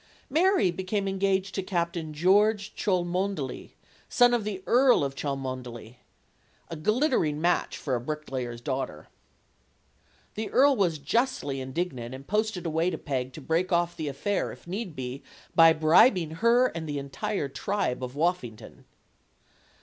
Mary became engaged to Captain George Cholmon deley, son of the Earl of Cholmondeley; a glittering match for a bricklayer's daughter. The earl was justly indignant and posted away to Peg to break off the affair, if need be, by bribing her and the entire tribe of Woffington.